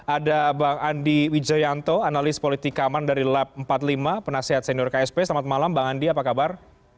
ada bang andi wijayanto analis politikaman dari lab empat puluh lima penasihat senior ksp selamat malam bang andi apa kabar